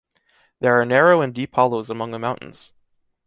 There are narrow and deep hollows among the mountains.